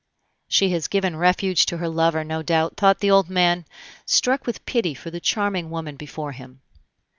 "She has given refuge to her lover, no doubt," thought the old man, struck with pity for the charming woman before him.